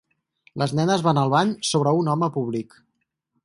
Les nenes van al bany sobre un home públic.